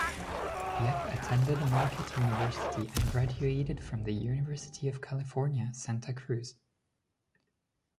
Yep attended Marquette University and graduated from the University of California, Santa Cruz.